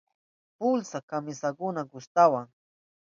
Pulsa kamisakuna gustawan.